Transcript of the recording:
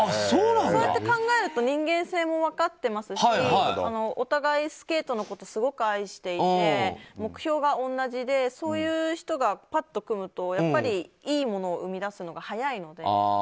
そうやって考えると人間性も分かってますしお互いスケートのことをすごく愛していて目標が同じでそういう人がぱっと組むとやっぱり、いいものを生み出すのが早いので。